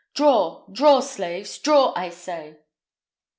Draw! draw, slaves! Draw, I say!"